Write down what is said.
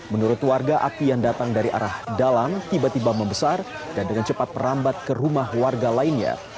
menurut warga api yang datang dari arah dalam tiba tiba membesar dan dengan cepat merambat ke rumah warga lainnya